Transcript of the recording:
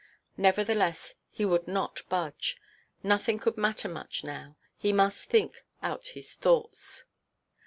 Nevertheless, he would not budge. Nothing could matter much now. He must think out his thoughts.